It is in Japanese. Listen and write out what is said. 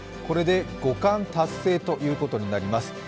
これ五冠達成ということになります。